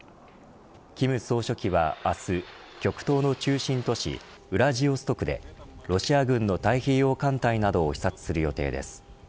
金総書記は明日極東の中心都市ウラジオストクでロシア軍の太平洋艦隊などを視察する予定です。